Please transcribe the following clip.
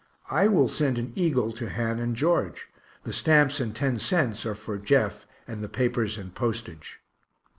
I will send an Eagle to Han and George. The stamps and 10¢ are for Jeff for the papers and postage.